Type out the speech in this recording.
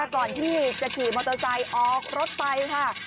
ก่อนที่จะขี่มอเตอร์ไซค์ออกรถไปค่ะ